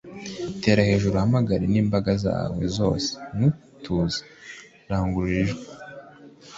Tera hejuru uhamagare n imbaraga zawe zose ntutuze a Rangurura ijwi